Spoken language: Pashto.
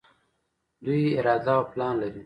دوی اراده او پلان لري.